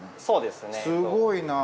すごいな。